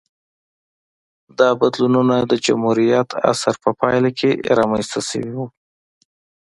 دا بدلونونه د جمهوریت عصر په پایله کې رامنځته شوې وې